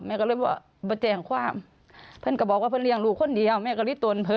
แม่ก็เลยบ่แจ้งความเยาหรอ